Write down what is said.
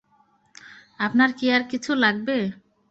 আপনার কি আর কিছু লাগবে?